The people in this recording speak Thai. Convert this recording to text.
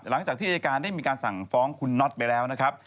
หลังจากที่อายการได้มีการสั่งฟ้องคุณน็อตไปแล้วนะครับ